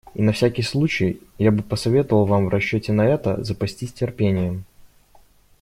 И на всякий случай я бы посоветовал вам в расчете на это запастись терпением.